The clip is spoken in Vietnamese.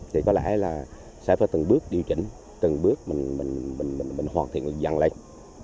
thì có lẽ là sẽ phải từng bước điều chỉnh từng bước mình hoàn thiện được dặn lệch